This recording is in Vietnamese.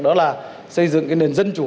đó là xây dựng cái nền dân chủ